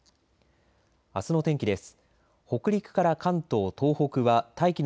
あすの天気です。